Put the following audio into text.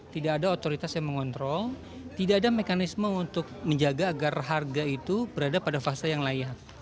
tidak ada otoritas yang mengontrol tidak ada mekanisme untuk menjaga agar harga itu berada pada fase yang layak